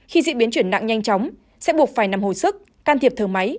khi dị biến chuyển nặng nhanh chóng sẽ buộc phải nằm hồi sức can thiệp thờ máy